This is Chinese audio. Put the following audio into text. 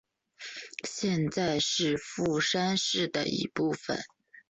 现在是富山市的一部分。